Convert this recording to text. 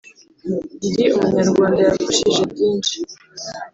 Ndi Umunyarwanda yafashije byinshi.